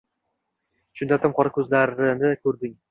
Shunda, tim qora ko’zlari ko’rding